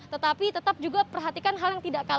tetapi tetap juga perhatikan hal yang tidak kalah